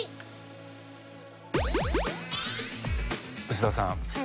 臼田さん